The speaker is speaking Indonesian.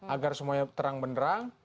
agar semuanya terang benerang